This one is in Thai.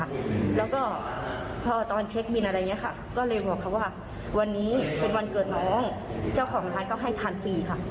แล้วก็พอตอนเช็คบินอะไรอย่างนี้ค่ะก็เลยบอกเขาว่าวันนี้เป็นวันเกิดน้องเจ้าของร้านก็ให้ทานฟรีค่ะ